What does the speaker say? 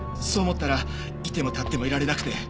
そう思ったらいてもたってもいられなくて。